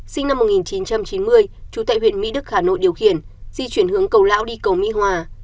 sinh năm một nghìn chín trăm chín mươi trú tại huyện mỹ đức hà nội điều khiển di chuyển hướng cầu lão đi cầu mỹ hòa